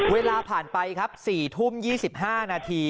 เวลาผ่านไปครับ๔ทุ่ม๒๕นาที